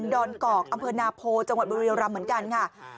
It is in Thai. อนกอกอำเภอนาโพจังหวัดบุรียรำเหมือนกันค่ะ